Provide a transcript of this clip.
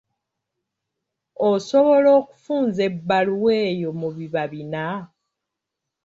Osobola okufunza ebbaluwa eyo mu biba bina?